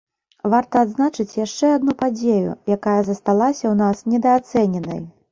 Варта адзначыць яшчэ адну падзею, якая засталася ў нас недаацэненай.